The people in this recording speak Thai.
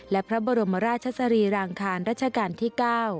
และพระบรมราชสรีรางคารราชการที่๙